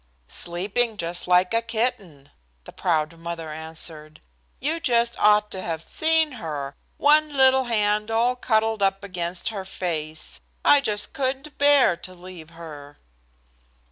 "Sleeping just like a kitten," the proud mother answered. "You just ought to have seen her, one little hand all cuddled up against her face. I just couldn't bear to leave her."